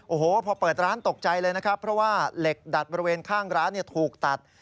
โอ้โหพอเปิดร้านตกใจเลยนะครับเพราะว่าเหล็กดัดบริเวณข้างร้านถูกตัด